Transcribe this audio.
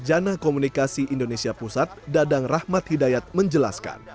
janah komunikasi indonesia pusat dadang rahmat hidayat menjelaskan